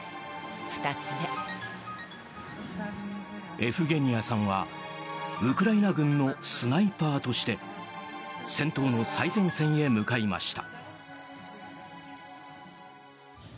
エフゲニアさんはウクライナ軍のスナイパーとして戦闘の最前線へ向かいました。